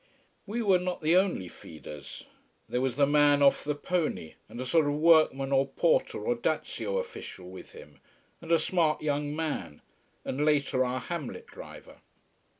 We were not the only feeders. There was the man off the pony, and a sort of workman or porter or dazio official with him and a smart young man: and later our Hamlet driver.